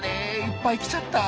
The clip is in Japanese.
いっぱい来ちゃった。